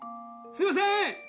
すいません！